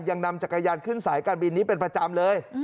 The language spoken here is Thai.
ยังนำจักรยานขึ้นสายการบินนี้เป็นประจำเลย